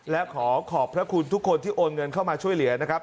และขอขอบพระคุณทุกคนที่โอนเงินเข้ามาช่วยเหลือนะครับ